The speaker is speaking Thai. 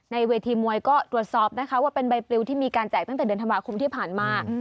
เวทีมวยก็ตรวจสอบนะคะว่าเป็นใบปลิวที่มีการแจกตั้งแต่เดือนธันวาคมที่ผ่านมา